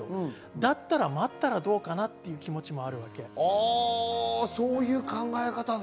だったら待ったらどうかなという気持ちもあるのでそういう考え方ね。